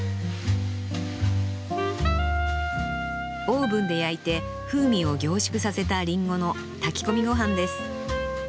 オーブンで焼いて風味を凝縮させた林檎の炊き込みごはんです。